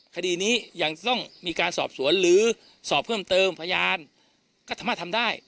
คดีนี้ยังต้องมีการสอบสวนหรือสอบเพิ่มเติมพยานก็สามารถทำได้